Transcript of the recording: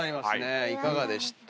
いかがでした？